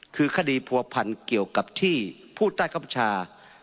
คือคดีปวพรรณเกี่ยวกับที่พูดใต้ความประชา